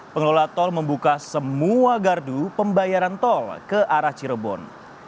pengelola tol membuka semua gardu pembayaran tol ke arah cirebon